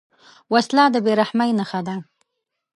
وسله د بېرحمۍ نښه ده